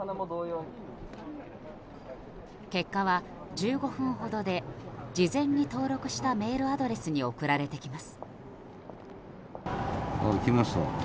結果は１５分ほどで事前に登録したメールアドレスに送られてきます。